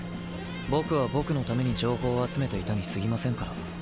僕は僕のために情報を集めていたにすぎませんから。